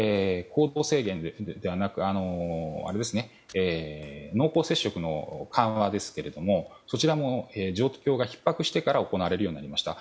そして濃厚接触者の緩和ですがそちらも、状況がひっ迫してから行われるようになりました。